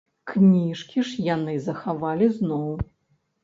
Кніжкі ж яны захавалі зноў.